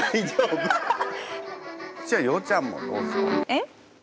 えっ？